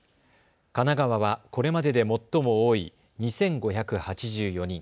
神奈川はこれまでで最も多い２５８４人。